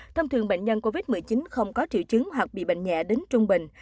thông thường bệnh nhân covid một mươi chín không có triệu chứng hoặc bị bệnh nhẹ đến trung bình